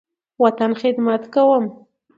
وطن، خدمت کومه